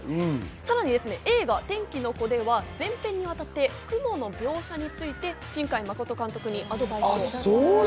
さらに映画『天気の子』では全編にわたって雲の描写について新海誠監督にアドバイスをした方なんです。